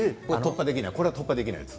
これは突破できないやつ？